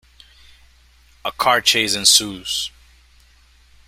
A car chase ensues.